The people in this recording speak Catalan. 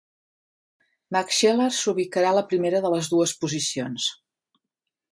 Max Scheler s'ubicarà a la primera de les dues posicions.